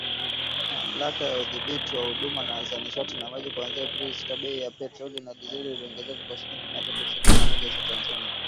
Mamlaka ya Udhibiti wa Huduma za Nishati na Maji kuanzia Aprili sita, bei ya petroli na dizeli iliongezeka kwa shilingi mia tatu ishirini na moja za Tanzania